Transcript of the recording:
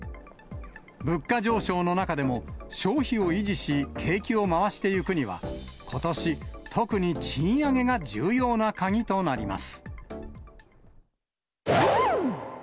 物価上昇の中でも、消費を維持し、景気を回してゆくには、ことし、特に賃上げが重要な鍵となります。